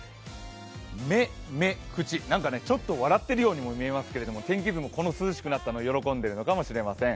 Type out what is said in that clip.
目、目、口、何かちょっと笑っているようにも見えますけど、天気図も涼しくなったのを喜んでいるのかもしれません。